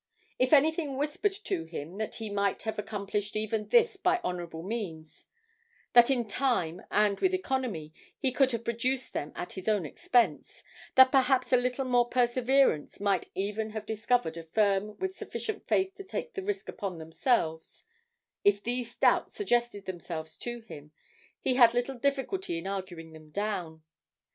If anything whispered to him that he might have accomplished even this by honourable means; that in time and with economy he could have produced them at his own expense; that perhaps a little more perseverance might even have discovered a firm with sufficient faith to take the risk upon themselves; if these doubts suggested themselves to him he had little difficulty in arguing them down.